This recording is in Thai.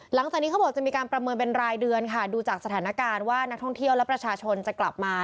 หลังจากนี้เขาบอกจะมีการประเมินเป็นรายเดือนค่ะดูจากสถานการณ์ว่านักท่องเที่ยวและประชาชนจะกลับมา